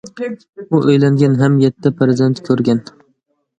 ئۇ ئۆيلەنگەن ھەم يەتتە پەرزەنت كۆرگەن.